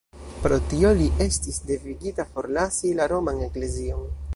Pro tio li estis devigita forlasi la roman eklezion.